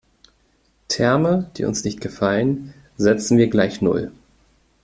Terme, die uns nicht gefallen, setzen wir gleich null.